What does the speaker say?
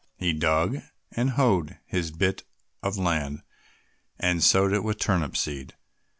He dug and hoed his bit of land, and sowed it with turnip seed.